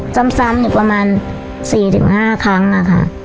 ซ้ำประมาณ๔๕ครั้งค่ะ